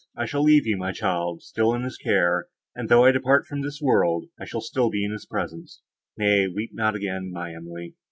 I shall leave you, my child, still in his care; and, though I depart from this world, I shall be still in his presence. Nay, weep not again, my Emily.